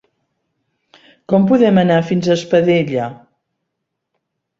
Com podem anar fins a Espadella?